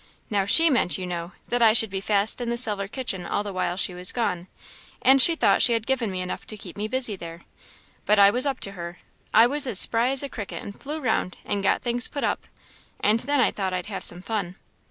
Now, she meant, you must know, that I should be fast in the cellar kitchen all the while she was gone, and she thought she had given me enough to keep me busy there; but I was up to her. I was as spry as a cricket, and flew round, and got things put up; and then I thought I'd have some fun.